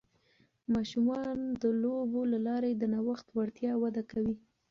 ماشومان د لوبو له لارې د نوښت وړتیا وده کوي.